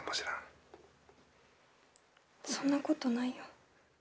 そんなことないよ。